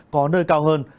có nơi cao hơn